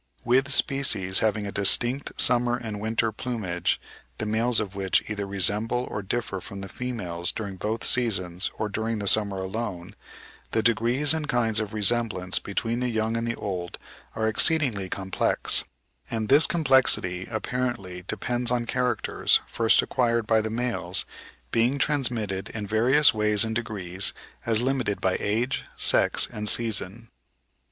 With species having a distinct summer and winter plumage, the males of which either resemble or differ from the females during both seasons or during the summer alone, the degrees and kinds of resemblance between the young and the old are exceedingly complex; and this complexity apparently depends on characters, first acquired by the males, being transmitted in various ways and degrees, as limited by age, sex, and season.